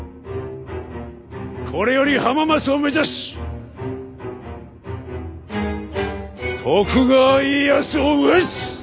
これより浜松を目指し徳川家康を討つ！